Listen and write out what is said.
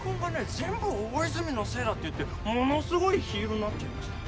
「全部大泉のせいだ」って言ってものすごいヒールになっちゃいましたよ。